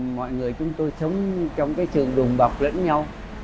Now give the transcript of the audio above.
mọi người chúng tôi sống trong cái trường đùm bọc lẫn nhau